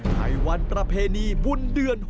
ในวันประเพณีบุญเดือน๖